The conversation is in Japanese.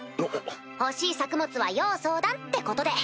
欲しい作物は要相談ってことで！